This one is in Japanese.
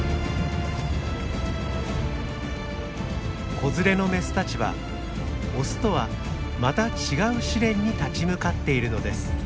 子連れのメスたちはオスとはまた違う試練に立ち向かっているのです。